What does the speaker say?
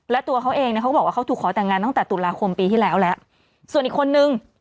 และตัวเขาเองเนี่ยเขาก็บอกว่าเขาถูกขอแต่งงานตั้งแต่ตุลาคมปีที่แล้วแล้วส่วนอีกคนนึง